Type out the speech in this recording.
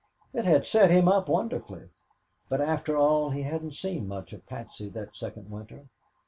It had set him up wonderfully. But, after all, he hadn't seen much of Patsy that second winter.